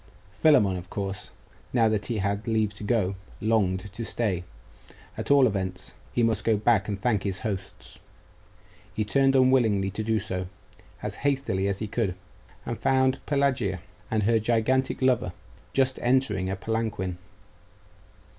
Philammon, of course, now that he had leave to go, longed to stay at all events, he must go back and thank his hosts. He turned unwillingly to do so, as hastily as he could, and found Pelagia and her gigantic lover just entering a palanquin.